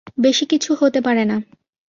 বেশি কিছু হতে পারে না।